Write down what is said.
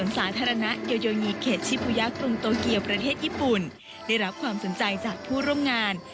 สาธารณะโยโยยีเขตชิปูยะกรุงโตเกียวประเทศญี่ปุ่นได้รับความสนใจจากผู้ร่วมงาน